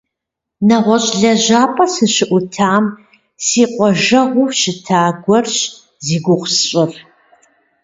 НэгъуэщӀ лэжьапӀэ сыщыӀутам си кӀуэгъужэгъуу щыта гуэрщ зи гугъу сщӀыр.